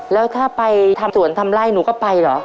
แล้วถ้าไปทำสวนทำไล่หนูก็ไปเหรอ